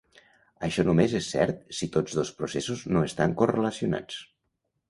Això només és cert si tots dos processos no estan correlacionats.